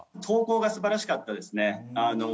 投稿が素晴らしかったですね。